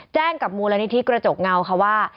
แจ้งกับมูลนิธิกระจกเงาค่ะว่า